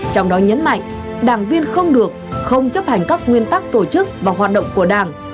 trong đó nhấn mạnh đảng viên không được không chấp hành các nguyên tắc tổ chức và hoạt động của đảng